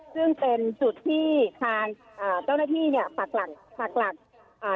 ซึ่งเป็นจุดที่ทางอ่าเจ้าหน้าที่เนี้ยปากหลักปากหลักอ่า